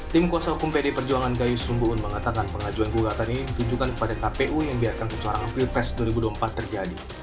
tim kuasa hukum pdi perjuangan gayus rumbuun mengatakan pengajuan kukatan ini tujukan kepada kpu yang biarkan kecorangan pilpres dua ribu dua puluh empat terjadi